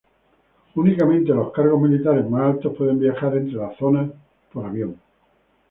Únicamente los cargos militares más altos pueden viajar entre las Zonas por avión.